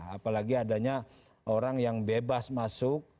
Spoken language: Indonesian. apalagi adanya orang yang bebas masuk